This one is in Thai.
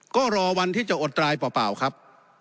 ก็รอวันที่จะอดรายเปล่าครับ